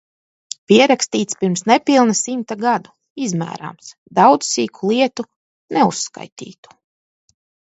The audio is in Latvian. Pierakstīts pirms nepilna simta gadu, izmērāms. Daudz sīku lietu, neuzskaitītu.